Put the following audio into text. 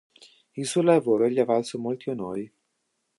Il suo lavoro gli ha valso molti onori.